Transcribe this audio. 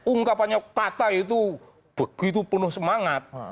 ungkapannya kata itu begitu penuh semangat